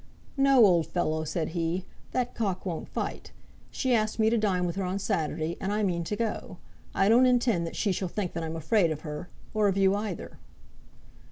"No, old fellow," said he; "that cock won't fight. She has asked me to dine with her on Saturday, and I mean to go. I don't intend that she shall think that I'm afraid of her, or of you either."